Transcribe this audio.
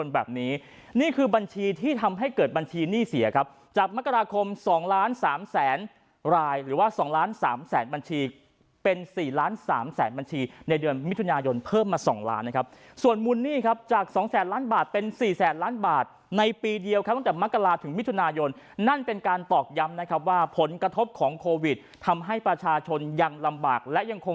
แบบนี้นี่คือบัญชีที่ทำให้เกิดบัญชีหนี้เสียครับจากมกราคม๒ล้านสามแสนรายหรือว่า๒ล้านสามแสนบัญชีเป็น๔ล้านสามแสนบัญชีในเดือนมิถุนายนเพิ่มมา๒ล้านนะครับส่วนมูลหนี้ครับจากสองแสนล้านบาทเป็น๔แสนล้านบาทในปีเดียวครับตั้งแต่มกราถึงมิถุนายนนั่นเป็นการตอกย้ำนะครับว่าผลกระทบของโควิดทำให้ประชาชนยังลำบากและยังคง